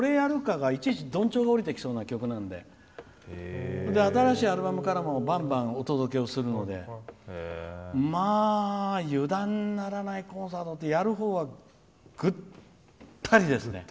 って、いちいちどんちょうが降りてきそうな曲なんで新しいアルバムからもどんどんお届けをするので油断ならないコンサートでやるほうは、ぐったりですね。